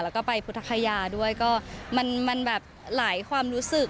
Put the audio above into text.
แล้วก็ไปพุทธคยาด้วยก็มันแบบหลายความรู้สึก